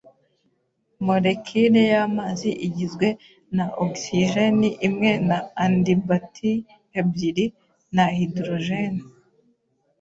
Molekile y'amazi igizwe na ogisijeni imwe na andimbatie ebyiri za hydrogen.